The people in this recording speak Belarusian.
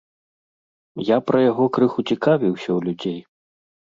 Я пра яго крыху цікавіўся ў людзей.